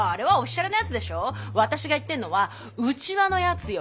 私が言ってんのは内輪のやつよ。